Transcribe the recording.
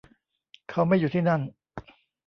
เขาไม่อยู่ที่นั่น